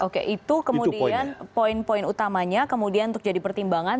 oke itu kemudian poin poin utamanya kemudian untuk jadi pertimbangan